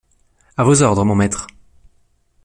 À vos ordres, mon maître.